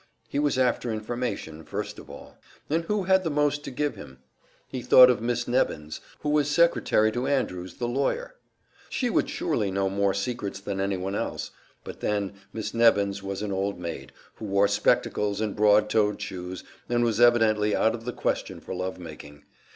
He was after information, first of all. And who had the most to give him? He thought of Miss Nebbins, who was secretary to Andrews, the lawyer; she would surely know more secrets than anyone else; but then, Miss Nebbins was an old maid, who wore spectacles and broad toed shoes, and was evidently out of the question for love making.